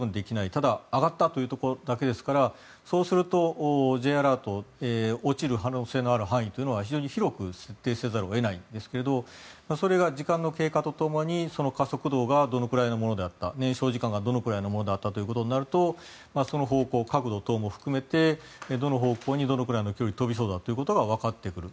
ただ上がったというところだけですからそうするとＪアラート落ちる可能性の範囲というのは非常に広く設定せざるを得ないんですけどそれが時間の経過とともに加速度がどれくらいのものだった燃焼時間がどのくらいのものであったかというのでその方向、角度等も含めてどの方向にどのくらいの距離飛びそうだというのがわかってくる。